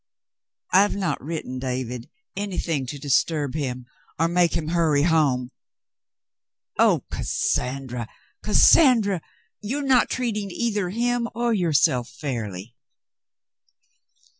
"I've not written David — anything to disturb him — or make him hurry home." "Oh, Cassandra, Cassandra! You're not treating either him or yourself fairly."